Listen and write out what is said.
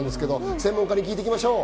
専門家に聞きましょう。